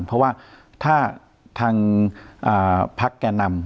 เพราะว่าถ้าทางพักแก่นำ